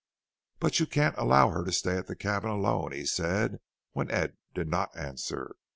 "But you can't allow her to stay at the cabin alone!" he said when Ed did not answer.